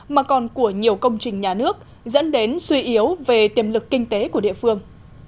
mà còn của nhiều công trình nhà nước dẫn đến suy yếu về tiềm lực kinh tế của địa phương